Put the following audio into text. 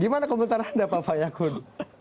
gimana komentar anda pak payah kun